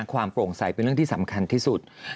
โปร่งใสเป็นเรื่องที่สำคัญที่สุด